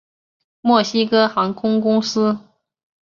墨西哥航空公司。